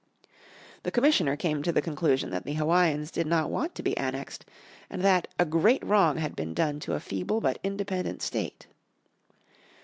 This commissioner came to the conclusion that the Hawaiians did not want to be annexed and that "a great wrong had been done to a feeble but independent State."